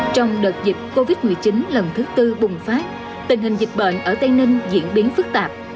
trong đợt dịch covid một mươi chín lần thứ tư bùng phát tình hình dịch bệnh ở tây ninh diễn biến phức tạp